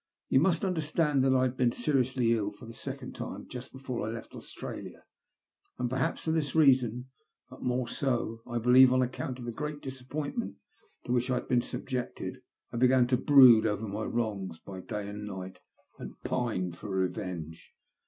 Toa must understand that I had been seriously ill, for the second time, just before I left Australia, and perhaps for this reason — but more so, I believe, on account of the great disappointment to which I had been subjected — I began to brood over my 344 THE LUST OF HATE. wrongs by day and night, and pine for revenge.